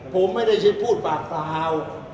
ผมไม่ได้ใช้พูดปากตาว